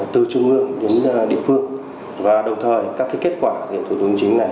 từ trung ương đến địa phương và đồng thời các kết quả của thủ tục hành chính này